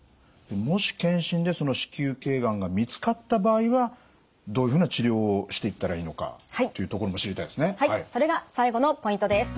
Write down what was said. もし検診でその子宮頸がんが見つかった場合はどういうふうな治療をしていったらいいのかというところも知りたいですね。